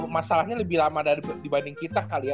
masalahnya lebih lama dibanding kita kali ya